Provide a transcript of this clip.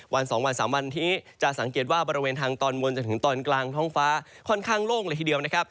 วัน๒วัน๓วันนี้จะสังเกตว่าบริเวณทางตอนบนจนถึงตอนกลางท้องฟ้าค่อนข้างโล่งเลยทีเดียวนะครับ